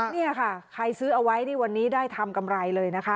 นี่ค่ะใครซื้อเอาไว้นี่วันนี้ได้ทำกำไรเลยนะคะ